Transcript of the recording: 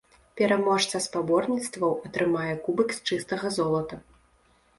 Пераможца спаборніцтваў атрымае кубак з чыстага золата.